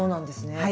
はい。